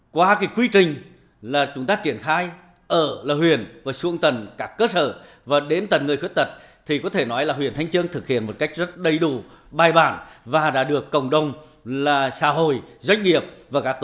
qua cái quy trình là chúng ta triển khai ở là huyện và xuống tầng các cơ sở và đến tầng người khuyết tật thì có thể nói là huyện thanh trương thực hiện một cách rất đầy đủ bài bản và đã được cộng đồng là xã hội doanh nghiệp và các tổ chức